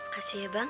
kasih ya bang